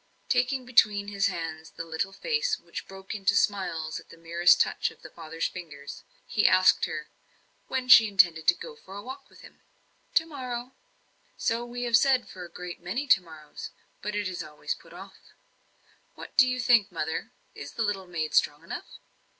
Taking between his hands the little face, which broke into smiles at the merest touch of the father's fingers, he asked her "when she intended to go a walk with him?" "To morrow." "So we have said for a great many to morrows, but it is always put off. What do you think, mother is the little maid strong enough?"